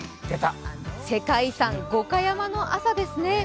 世界遺産・五箇山の朝です。